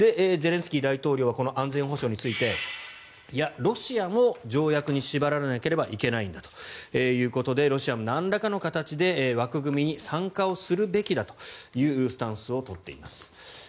ゼレンスキー大統領はこの安全保障についてロシアも条約に縛られなければいけないんだということでロシアもなんらかの形で枠組みに参加をするべきだというスタンスを取っています。